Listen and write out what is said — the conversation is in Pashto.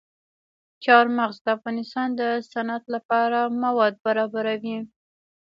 چار مغز د افغانستان د صنعت لپاره مواد برابروي.